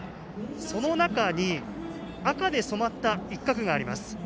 その中に赤で染まった一角があります。